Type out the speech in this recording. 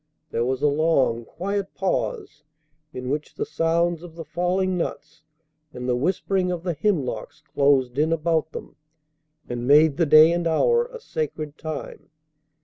There was a long, quiet pause in which the sounds of the falling nuts and the whispering of the hemlocks closed in about them, and made the day and hour a sacred time.